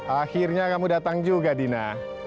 akhirnya kamu datang juga dina